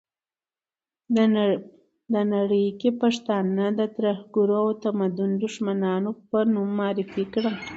ده نړۍ کې پښتانه د ترهګرو او تمدن دښمنانو په نوم معرفي کړل.